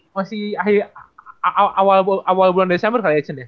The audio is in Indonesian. masih awal bulan desember